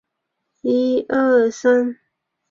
此后他还曾担任过一些报刊的记者与编辑。